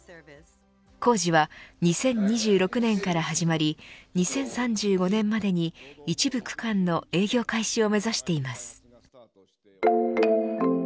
工事は２０２６年から始まり２０３５年までに一部区間の営業開始を目指しています。